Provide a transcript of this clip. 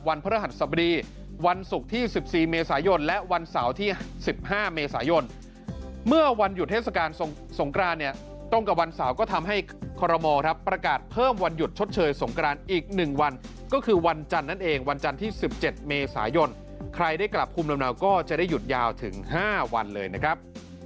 พระรหัสสบดีวันศุกร์ที่๑๔เมษายนและวันเสาร์ที่๑๕เมษายนเมื่อวันหยุดเทศกาลสงกรานเนี่ยตรงกับวันเสาร์ก็ทำให้คอรมอครับประกาศเพิ่มวันหยุดชดเชยสงกรานอีก๑วันก็คือวันจันทร์นั่นเองวันจันทร์ที่๑๗เมษายนใครได้กลับภูมิลำเนาก็จะได้หยุดยาวถึง๕วันเลยนะครับ